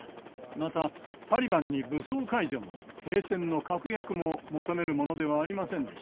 またタリバンに武装解除も停戦の確約も求めるものではありませんでした。